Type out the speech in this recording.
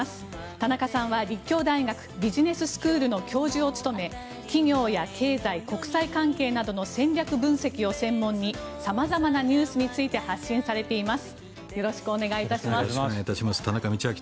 田中さんは立教大学ビジネススクールの教授を務め企業や経済、国際関係などの戦略分析を専門に様々なニュースについて発信されています。